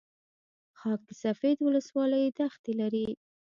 خاک سفید ولسوالۍ دښتې لري؟